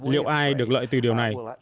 liệu ai được lợi từ điều này